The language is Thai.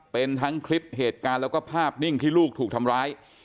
เป็นทั้งคลิปเหตุการณ์แล้วก็ภาพนิ่งที่ลูกถูกทำร้าย